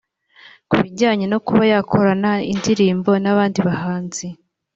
Ku bijyanye no kuba yakorana indirimbo n’abandi bahanzi